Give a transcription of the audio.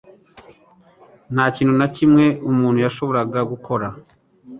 Nta kintu na kimwe umuntu yashoboraga gukora.